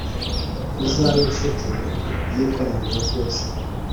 uzabe incuti y'ikoraniro ryose